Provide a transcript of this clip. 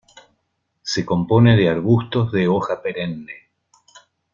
Se compone de arbustos de hoja perenne.